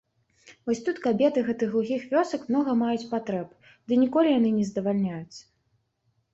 Вось тут кабеты гэтых глухіх вёсак многа маюць патрэб, ды ніколі яны не здавальняюцца.